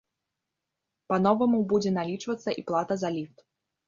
Па-новаму будзе налічвацца і плата за ліфт.